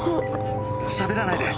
しゃべらないで。